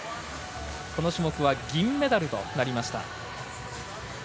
この種目は銀メダルとなりました。